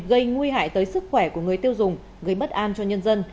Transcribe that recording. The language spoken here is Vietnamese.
gây nguy hại tới sức khỏe của người tiêu dùng gây bất an cho nhân dân